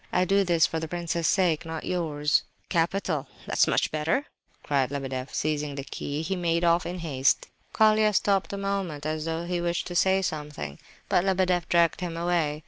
I do this for the prince's sake, not yours." "Capital, that's much better!" cried Lebedeff, and seizing the key he made off in haste. Colia stopped a moment as though he wished to say something; but Lebedeff dragged him away.